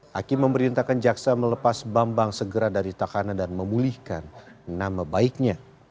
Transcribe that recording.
hakim memerintahkan jaksa melepas bambang segera dari takana dan memulihkan nama baiknya